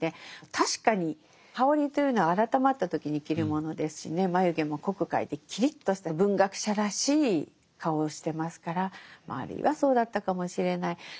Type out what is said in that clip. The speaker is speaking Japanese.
確かに羽織というのは改まった時に着るものですしね眉毛も濃く描いてキリッとした文学者らしい顔をしてますからあるいはそうだったかもしれない。